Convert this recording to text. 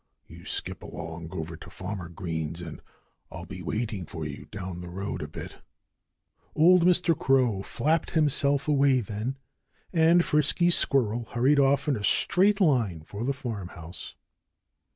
You skip along over to Farmer Green's and I'll be waiting for you down the road a bit." Old Mr. Crow flapped himself away then. And Frisky Squirrel hurried off in a straight line for the farmhouse.